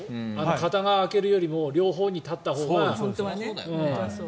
片側を空けるよりも両方に立ったほうが。